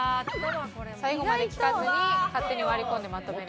「最後まで聞かずに勝手に割り込んでまとめる」。